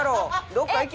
どっか行け！